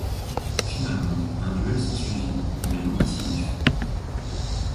Finalement un duel s'ensuivit, mais non décisif.